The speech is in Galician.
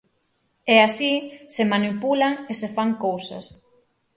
E así se manipulan e se fan cousas.